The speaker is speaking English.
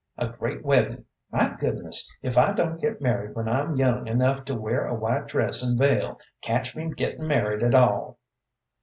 A great weddin'! My goodness, if I don't get married when I'm young enough to wear a white dress and veil, catch me gettin' married at all!"